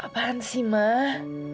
apaan sih mah